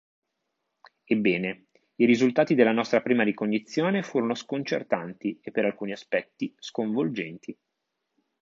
Ebbene, i risultati della nostra prima ricognizione furono sconcertanti e per alcuni aspetti sconvolgenti.